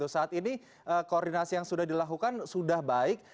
saat ini koordinasi yang sudah dilakukan sudah baik